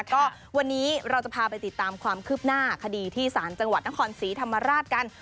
ก็วันนี้เราจะพาไปติดตามความคืบหน้าคดีที่ศาลจังหวัดนครศรีธรรมราชกัน